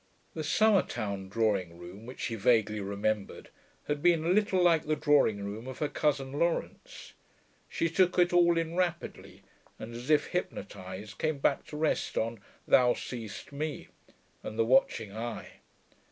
The Summertown drawing room, which she vaguely remembered, had been a little the drawing room of her cousin Laurence. She took it all in rapidly, and, as if hypnotised, came back to rest on 'Thou seest me' and the watching Eye.